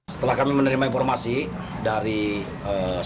setelah kami menerima informasi dari bunga hati dua